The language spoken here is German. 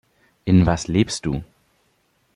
In Was lebst Du?